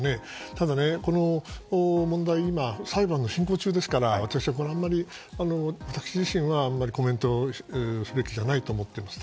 ただ、この問題裁判が進行中ですから私自身はあまりコメントすべきじゃないと思っています。